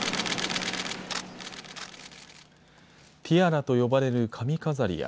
ティアラと呼ばれる髪飾りや。